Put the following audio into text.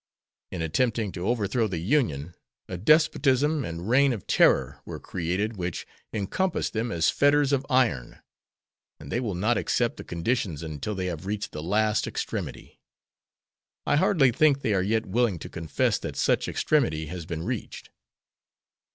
In attempting to overthrow the Union, a despotism and reign of terror were created which encompassed them as fetters of iron, and they will not accept the conditions until they have reached the last extremity. I hardly think they are yet willing to confess that such extremity has been reached."